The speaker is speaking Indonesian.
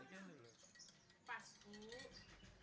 delapan hari balik